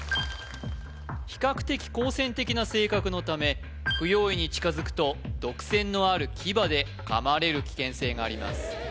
比較的好戦的な性格のため不用意に近づくと毒腺のある牙で噛まれる危険性があります